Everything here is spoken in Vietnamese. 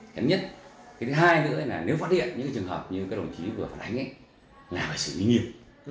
cái thứ hai nữa là nếu phát hiện những trường hợp như các đồng chí vừa phát ánh là phải xử lý nghiêm